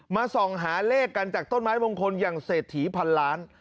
ส่องหาเลขกันจากต้นไม้มงคลอย่างเศรษฐีพันล้าน